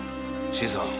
新さん。